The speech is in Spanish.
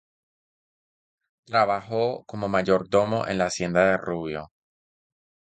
Trabajó como mayordomo en la Hacienda de Rubio.